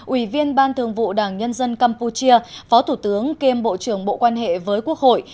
ủy viên ban thường vụ đảng nhân dân campuchia phó thủ tướng kiêm bộ trưởng bộ quan hệ với quốc hội